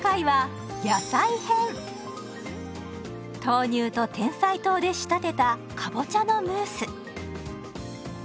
豆乳とてんさい糖で仕立てたかぼちゃのムース。